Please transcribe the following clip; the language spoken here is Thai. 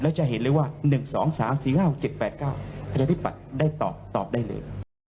แล้วจะเห็นเลยว่า๑๒๓๔๕๖๗๘๙จะถิดปัดได้ตอบตอบได้เหลือ